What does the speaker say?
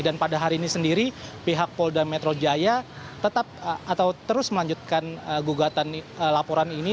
dan pada hari ini sendiri pihak pol dan metro jaya tetap atau terus melanjutkan gugatan laporan ini